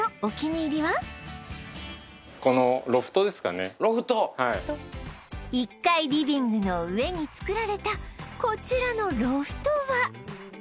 中でも１階リビングの上に作られたこちらのロフトは